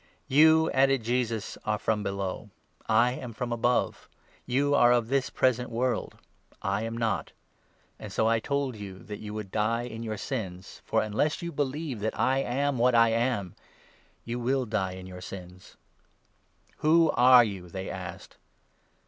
" "You," added Jesus, "are from below, I am from above ; 23 you are of this present world, I am not ; and so I told you that 24 you would die in your sins, for, unless you believe that I am what I am, you will die in your sins." " Who are you ?" they asked.